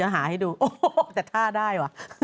เออถ้าได้ถ้าได้